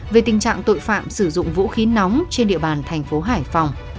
về tình trạng tội phạm sử dụng vũ khí nóng trên địa bàn thành phố hải phòng